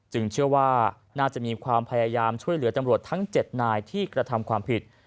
เชื่อว่าน่าจะมีความพยายามช่วยเหลือตำรวจทั้ง๗นายที่กระทำความผิด